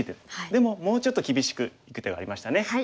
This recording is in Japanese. でももうちょっと厳しくいく手がありましたね。